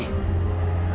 aku selalu memikirkanmu